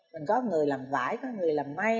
mình có người làm vải có người làm may